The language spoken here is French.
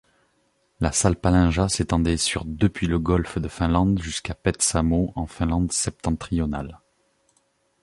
La Salpalinja s'étendait sur depuis le golfe de Finlande jusqu'à Petsamo en Finlande septentrionale.